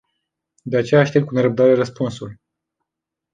De aceea aștept cu nerăbdare răspunsul.